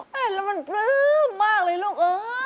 มันปลื้มมากเลยลุง